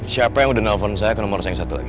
siapa yang udah nelfon saya ke nomor saya yang satu lagi